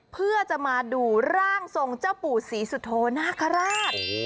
เพื่อจะมาดูร่างทรงเจ้าปู่ศรีสุโธนาคาราช